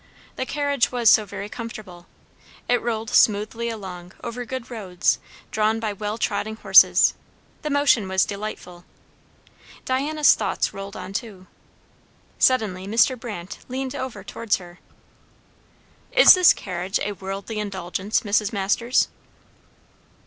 The carriage was so very comfortable! It rolled smoothly along, over good roads, drawn by well trotting horses; the motion was delightful. Diana's thoughts rolled on too. Suddenly Mr. Brandt leaned over towards her. "Is this carriage a 'worldly' indulgence, Mrs. Masters?"